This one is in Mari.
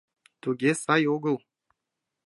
Туге сай огыл!